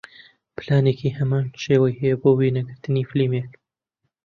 پلانێکی هەمان شێوە هەیە بۆ وێنەگرتنی فیلمێک